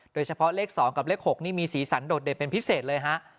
โดยเฉพาะเลข๒กับเลข๖นี่มีสีสันโดดเด่นเป็นพิเศษเลยฮะ